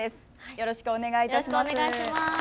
よろしくお願いします。